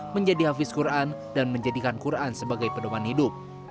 menjadi hafiz quran dan menjadikan quran sebagai pedoman hidup